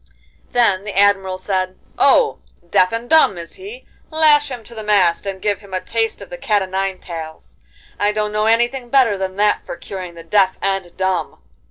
Then the Admiral said: 'Oh! deaf and dumb is he? Lash him to the mast and give him a taste of the cat o' nine tails. I don't know anything better than that for curing the deaf and dumb!